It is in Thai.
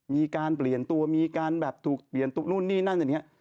มีการเปลี่ยนตัวมีการแบบถูกเปลี่ยนนู่นนี่นั่นอย่างนี้